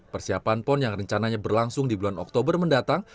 persiapan pon yang rencananya berlangsung di bulan oktober mendatang